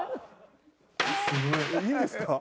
いいんですか？